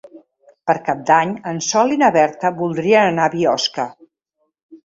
Per Cap d'Any en Sol i na Berta voldrien anar a Biosca.